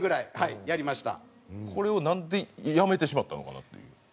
それをなんでやめてしまったのかなっていう。